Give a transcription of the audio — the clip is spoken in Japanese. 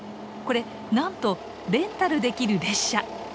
これなんとレンタルできる列車！